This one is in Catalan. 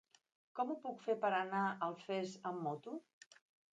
Com ho puc fer per anar a Alfés amb moto?